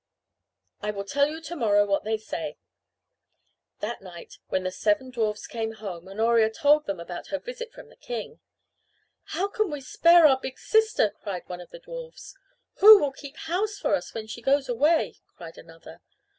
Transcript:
"I will tell you to morrow what they say." That night when the seven dwarfs came home Honoria told them about her visit from the king. "How can we spare our big sister?" cried one of the dwarfs. "Who will keep house for us when she goes away?" cried another.